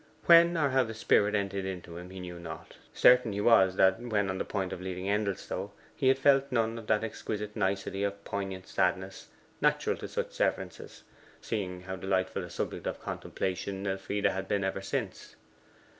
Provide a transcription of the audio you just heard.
When or how the spirit entered into him he knew not: certain he was that when on the point of leaving Endelstow he had felt none of that exquisite nicety of poignant sadness natural to such severances, seeing how delightful a subject of contemplation Elfride had been ever since.